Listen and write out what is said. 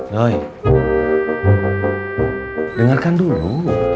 doi dengarkan dulu